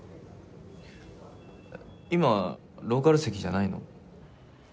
今ローカル席じゃないの？